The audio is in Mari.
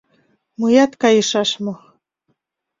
Мыят кайышаш мо?